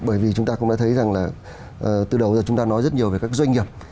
bởi vì chúng ta cũng đã thấy rằng là từ đầu giờ chúng ta nói rất nhiều về các doanh nghiệp